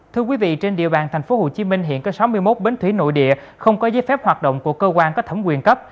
thưa quý vị trên địa bàn tp hcm hiện có sáu mươi một bến thủy nội địa không có giấy phép hoạt động của cơ quan có thẩm quyền cấp